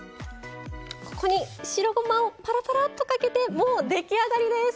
ここに白ごまをぱらぱらっとかけてもう出来上がりです！